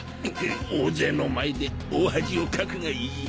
大勢の前で大恥をかくがいい！